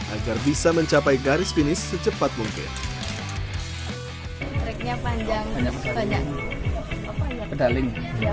agar bisa mencapai garis finish secepat mungkin